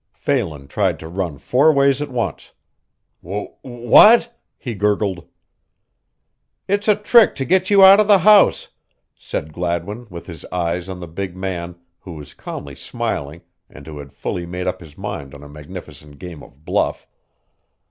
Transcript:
Phelan tried to run four ways at once. "W w what?" he gurgled. "It's a trick to get you out of the house," said Gladwin with his eyes on the big man, who was calmly smiling and who had fully made up his mind on a magnificent game of bluff.